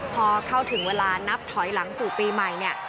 พอเข้าถึงเวลานับถอยหลังสู่ปีใหม่เนี่ย